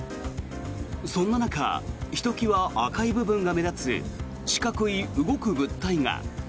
そんな中ひときわ赤い部分が目立つ四角い動く物体が。